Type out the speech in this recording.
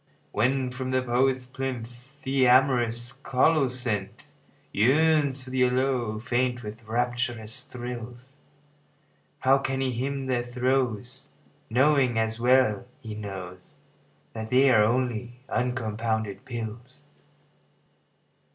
When from the poet's plinth The amorous colocynth Yearns for the aloe, faint with rapturous thrills, How can he hymn their throes Knowing, as well he knows, That they are only uncompounded pills?